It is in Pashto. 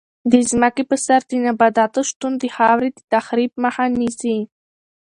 د ځمکې په سر د نباتاتو شتون د خاورې د تخریب مخه نیسي.